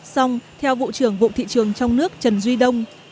xong theo vụ trưởng vụ thị trường trong nước trần duy đông